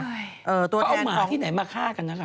เออตัวแทนของเขาเอาหมาที่ไหนมาฆ่ากันนั้นล่ะ